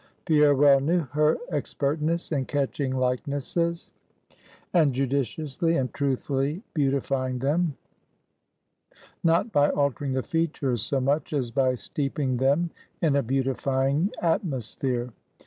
Pierre well knew her expertness in catching likenesses, and judiciously and truthfully beautifying them; not by altering the features so much, as by steeping them in a beautifying atmosphere.